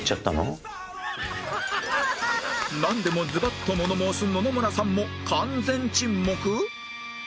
なんでもズバッと物申す野々村さんも完全沈黙？